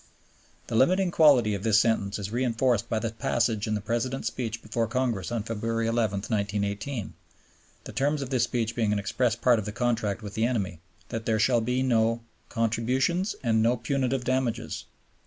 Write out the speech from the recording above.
The limiting quality of this sentence is reinforced by the passage in the President's speech before Congress on February 11, 1918 (the terms of this speech being an express part of the contract with the enemy), that there shall be "no contributions" and "no punitive damages."